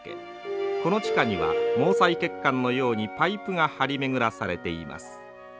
この地下には毛細血管のようにパイプが張り巡らされています。